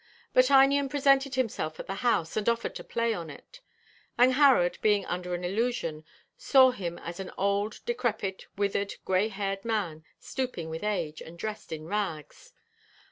But Einion presented himself at the house, and offered to play on it. Angharad, being under an illusion, 'saw him as an old, decrepit, withered, grey haired man, stooping with age, and dressed in rags.'